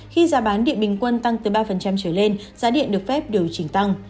khi giá bán điện bình quân tăng từ ba trở lên giá điện được phép điều chỉnh tăng